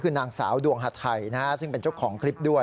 คือนางสาวดวงฮาไทยซึ่งเป็นเจ้าของคลิปด้วย